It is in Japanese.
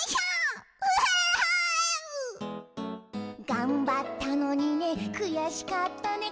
「がんばったのにねくやしかったね」